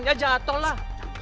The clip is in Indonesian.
dia jatoh lah